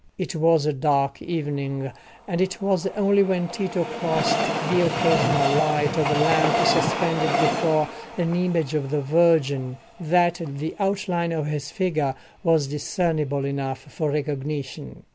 It was a dark evening, and it was only when Tito crossed the occasional light of a lamp suspended before an image of the Virgin, that the outline of his figure was discernible enough for recognition.